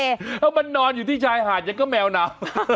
แล้วมันนอนอยู่ที่ชายหาดยังก็แมวหนาว